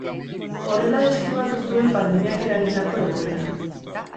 Horrela deskribatu zuen pandemiak eragindako egoera.